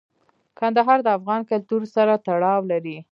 کندهار د افغان کلتور سره تړاو لري.